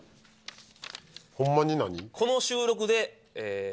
ホンマに何？